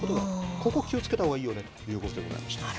ここ、気をつけたほうがいいよねということでした。